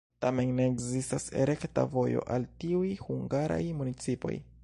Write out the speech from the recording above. Tamen ne ekzistas rekta vojo al tiuj hungaraj municipoj.